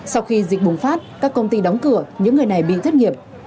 sau khi dịch bùng phát các công ty đóng cửa những người này bị thất nghiệp